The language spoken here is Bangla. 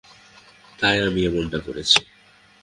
তাই আমি এমনটা করেছি।